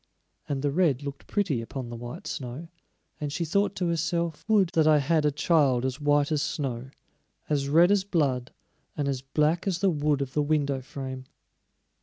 And the red looked pretty upon the white snow, and she thought to herself: "Would that I had a child as white as snow, as red as blood, and as black as the wood of the window frame!"